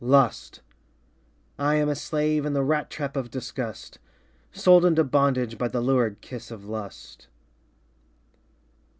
Lust I am a slave In the rat trap of disgust, Sold into bondage By the lurid kiss of lust.